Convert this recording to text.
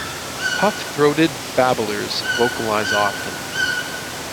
Puff-throated babblers vocalize often.